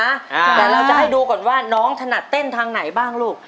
แต่เราจะให้ดูก่อนว่าน้องถนัดเต้นทางไหนบ้างลูก